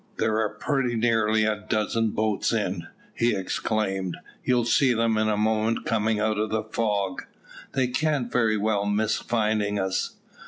"There are pretty nearly a dozen boats in," he exclaimed; "you'll see them in a moment coming out of the fog. They can't very well miss finding us."